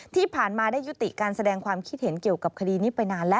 ที่ผ่านมาได้ยุติการแสดงความคิดเห็นเกี่ยวกับคดีนี้ไปนานแล้ว